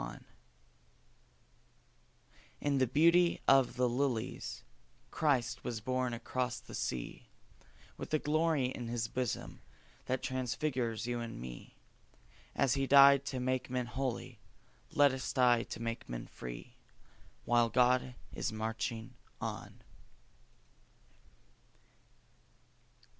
[1331 RAINBOW GOLD In the beauty of the lilies Christ was born across the sea, With a glory in His bosom that transfigures you and me: As He died to make men holy, let us die to make men free. While God is marching on.